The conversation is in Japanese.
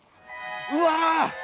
うわ！